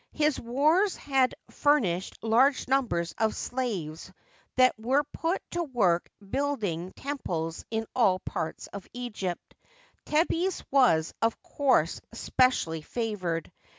His wars had fur nished large numbers of slaves that were put to work build ing temples in all parts of Egypt Thebes was, of course, specially favored.